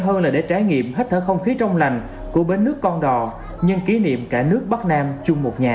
hơn là để trải nghiệm hết thở không khí trong lành của bến nước con đò nhân kỷ niệm cả nước bắc nam chung một nhà